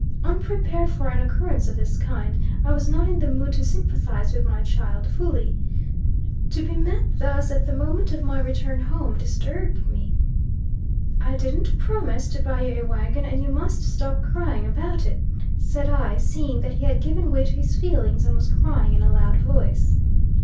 Unprepared for an occurrence of this kind, I was not in the mood to sympathise with my child fully. To be met thus, at the moment of my return home, disturbed me. "I didn't promise to buy you a wagon; and you must stop crying about it," said I, seeing that he had given way to his feelings, and was crying in a loud voice.